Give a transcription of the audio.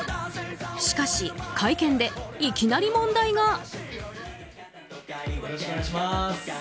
しかし会見でいきなり問題が。